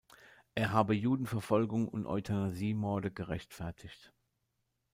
Er habe „Judenverfolgung und Euthanasiemorde gerechtfertigt“.